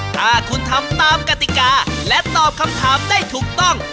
ถ้าคุณทำตามกติกาและตอบคำถามได้ถูกต้อง